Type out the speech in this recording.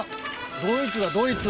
ドイツだドイツ。